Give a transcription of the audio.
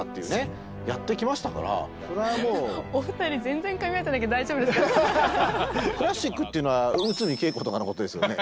お二人クラシックっていうのは内海桂子とかのことですよね？